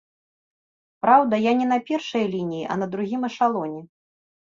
Праўда, я не на першай лініі, а на другім эшалоне.